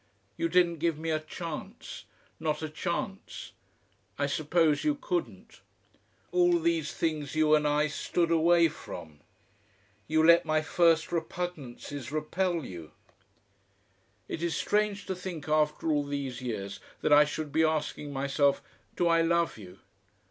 You didn't give me a chance; not a chance. I suppose you couldn't. All these things you and I stood away from. You let my first repugnances repel you.... "It is strange to think after all these years that I should be asking myself, do I love you?